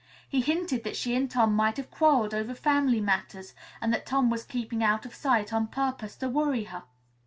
He hinted that she and Tom might have quarreled over family matters and that Tom was keeping out of sight on purpose to worry her.